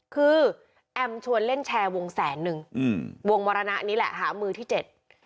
คือแอมชวนเล่นแชร์วงแสนนึงอืมวงมรณะนี่แหละหามือที่เจ็ด